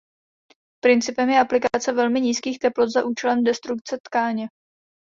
Principem je aplikace velmi nízkých teplot za účelem destrukce tkáně.